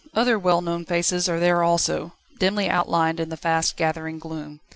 Other well known faces are there also, dimly outlined in the fast gathering gloom.